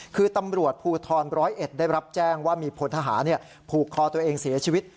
คือตำรวจภูทรร้อยเอ็ดได้รับแจ้งว่ามีพลทหารผูกคอตัวเองเสียชีวิต